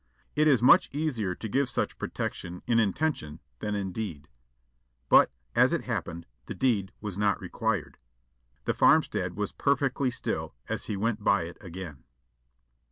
It is much easier to give such protection in intention than in deed; but, as it happened, the deed was not required. The farmstead was perfectly still as he went by it again.